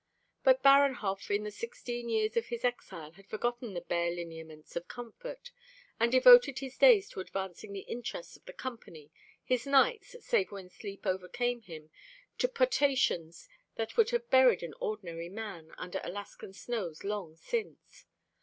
But Baranhov in the sixteen years of his exile had forgotten the bare lineaments of comfort, and devoted his days to advancing the interests of the Company, his nights, save when sleep overcame him, to potations that would have buried an ordinary man under Alaskan snows long since.